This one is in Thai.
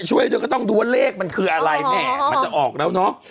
ช่วยด้วยก็ต้องดูว่าเลขมันคืออะไรแม่มันจะออกแล้วเนอะ